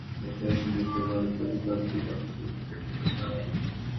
ICC চার বছর আমাদের বিশ্বকাপে সুযোগ দিয়ে বলে, প্রতিদ্বন্দ্বিতাপূর্ণ ক্রিকেট খেলতে হবে।